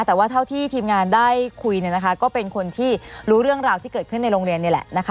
แต่ว่าเท่าที่ทีมงานได้คุยก็เป็นคนที่รู้เรื่องราวที่เกิดขึ้นในโรงเรียนนี่แหละนะคะ